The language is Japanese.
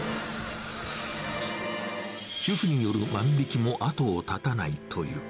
主婦による万引きも後を絶たないという。